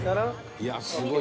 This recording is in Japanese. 「いやすごい。